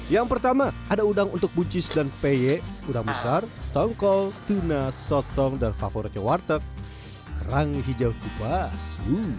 yang pertama ada udang untuk buncis dan peye udang besar tongkol tuna sotong dan favoritnya warteg kerang hijau kupas